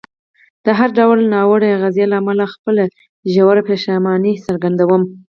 د هر ډول ناوړه اغېز له امله خپله ژوره پښیماني څرګندوم.